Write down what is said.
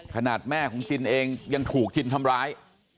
ขนาดแม่ของจินเองยังถูกจินทำร้าย